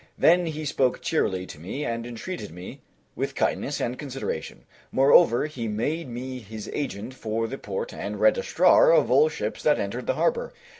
Then he spoke cheerily to me and entreated me with kindness and consideration; moreover, he made me his agent for the port and registrar of all ships that entered the harbor.